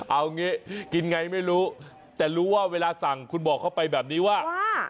เอางี้กินไงไม่รู้แต่รู้ว่าเวลาสั่งคุณบอกเข้าไปแบบนี้ว่า